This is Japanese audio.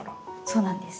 そうなんです。